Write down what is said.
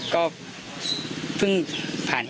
ก็เพิ่งผ่านเหตุการณ์ที่เลิกเกินไป